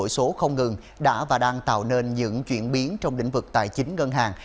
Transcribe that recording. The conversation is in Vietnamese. nội số không ngừng đã và đang tạo nên những chuyển biến trong lĩnh vực tài chính ngân hàng